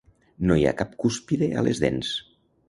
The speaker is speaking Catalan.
No hi ha cap cúspide a les dents.